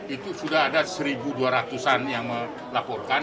itu sudah ada satu dua ratus an yang melaporkan